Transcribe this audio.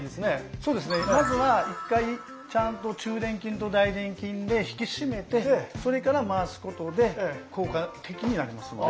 そうですねまずは一回ちゃんと中臀筋と大臀筋で引き締めてそれから回すことで効果的になりますので。